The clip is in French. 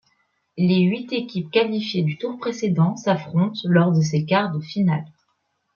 Les huit équipes qualifiées du tour précédent s'affrontent lors de ces quarts de finale.